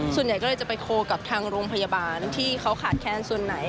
ส่วนใหญ่ก็เลยจะไปโคลกับทางโรงพยาบาลที่เขาขาดแคนส่วนไหน